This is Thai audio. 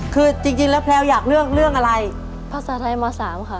คือจริงแล้วแพลวอยากเลือกเรื่องอะไรภาษาไทยม๓ค่ะ